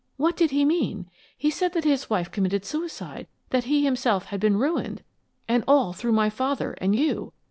What did he mean? He said that his wife committed suicide; that he himself had been ruined! And all through my father and you!